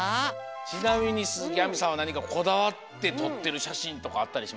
ちなみに鈴木亜美さんはなにかこだわってとってるしゃしんとかあったりしますか？